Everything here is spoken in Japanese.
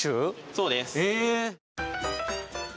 そうです。